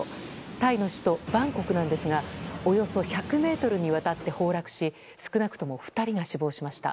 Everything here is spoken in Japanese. タイの首都バンコクなんですがおよそ１００ｍにわたって崩落し少なくとも２人が死亡しました。